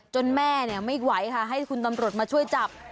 แม่ไม่ไหวค่ะให้คุณตำรวจมาช่วยจับ